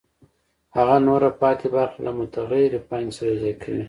هغه نوره پاتې برخه له متغیرې پانګې سره یوځای کوي